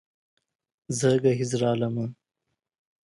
زه ګهيځ رالمه